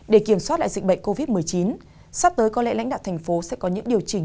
để kiểm soát lại dịch bệnh covid một mươi chín sắp tới có lẽ lãnh đạo thành phố sẽ có những điều chỉnh